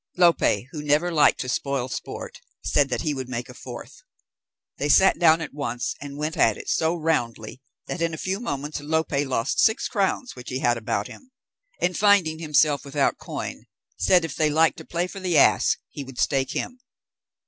Lope, who never liked to spoil sport, said that he would make a fourth. They sat down at once, and went at it so roundly that, in a few moments, Lope lost six crowns which he had about him, and finding himself without coin, said if they liked to play for the ass he would stake him.